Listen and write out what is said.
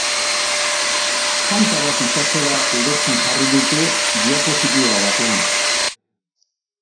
Tanta bat itsasora erortzen jarri dute diapositiba batean.